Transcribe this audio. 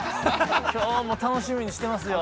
きょうも楽しみにしてますよ。